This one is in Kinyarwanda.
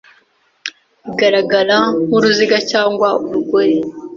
igaragara nk'uruziga cyangwa urugori